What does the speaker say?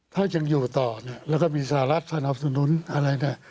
ถ้ายังอยู่ต่อแล้วก็มีสหรัฐสนับสนุนอะไร